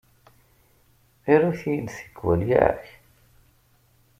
Arut-iyi-d tikwal, yak?